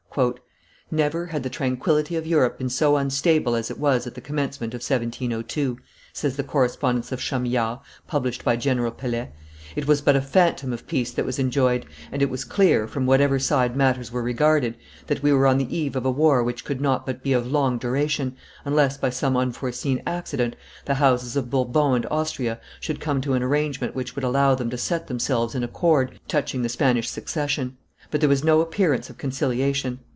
"Never had the tranquillity of Europe been so unstable as it was at the commencement of 1702," says the correspondence of Chamillard, published by General Pelet; "it was but a phantom of peace that was enjoyed, and it was clear, from whatever side matters were regarded, that we were on the eve of a war which could not but be of long duration, unless, by some unforeseen accident, the houses of Bourbon and Austria should come to an arrangement which would allow them to set themselves in accord touching the Spanish succession; but there was no appearance of conciliation."